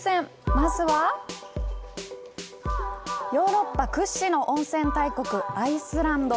まずはヨーロッパ屈指の温泉大国アイスランド！